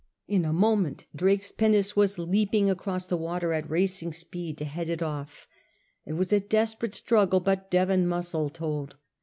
In a moment Drake's pinnace was leaping across the water at racing speed to head it off It was a desperate struggle, but Devon muscle told.